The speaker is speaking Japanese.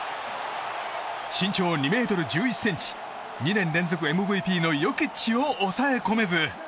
身長２ｍ１１ｃｍ２年連続ＭＶＰのヨキッチを抑え込めず。